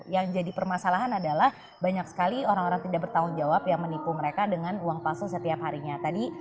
yang jadi permasalahan adalah banyak sekali orang orang tidak bertanggung jawab yang menipu mereka dengan uang palsu setiap harinya tadi